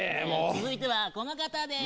続いてはこの方です。